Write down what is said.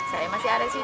saya masih ada di situ